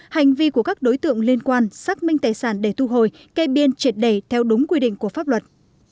hành vi của các đối tượng liên quan xác minh tài sản để thu hồi kê biên triệt đẩy theo đúng quy định của pháp luật